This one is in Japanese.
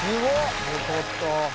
よかった。